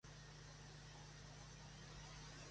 Nesbitt "et al.